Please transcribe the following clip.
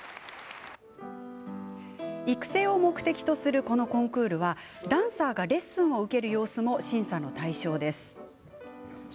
育成を目的とするこのコンクールは、ダンサーがレッスンを受ける様子も審査の対象です。